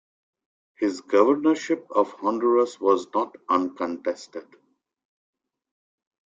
His governorship of Honduras was not uncontested.